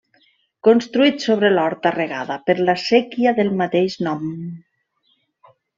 Construït sobre l'horta regada per la séquia del mateix nom.